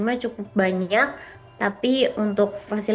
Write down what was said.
mbak erin ini kasusnya apa sih university